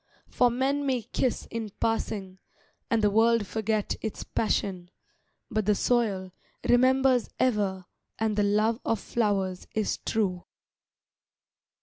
For men may kiss in passing, And the world forget its passion, But the soil, remembers ever, And the love of flowers is true."